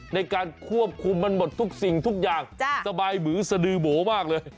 ในการควบคุมมันหมดทุกสิ่งทุกอย่างสบายบือสดือโบมากเลย